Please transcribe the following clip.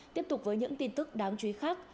tiếp tục với những tin tức đáng chú ý khác